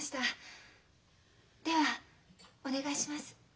ではお願いします。